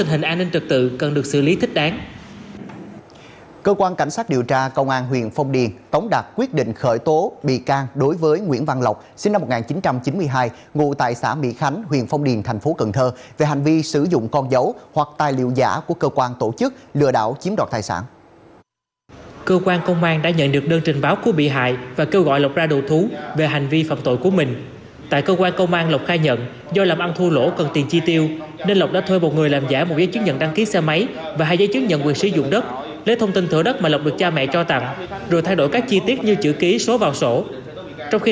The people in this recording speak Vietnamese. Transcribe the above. hệ phòng cảnh sát điều tra công an tỉnh đồng tháp cho biết vừa ra quyết định khởi tố bị can và ra lệnh tạm giam đối với nguyễn hoàng sang sinh năm hai nghìn hai ngụ tây phương hòa thuận tp cao lãnh